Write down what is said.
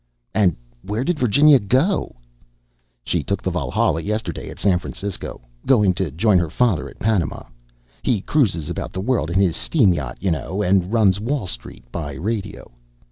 "And where did Virginia go?" "She took the Valhalla yesterday at San Francisco. Going to join her father at Panama. He cruises about the world in his steam yacht, you know, and runs Wall Street by radio.